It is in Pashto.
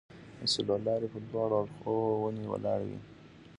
د څلورلارې پر دواړو اړخو ونې ولاړې وې.